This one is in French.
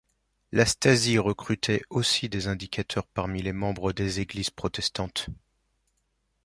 La Stasi recrutaient aussi des indicateurs parmi les membres des Églises protestantes.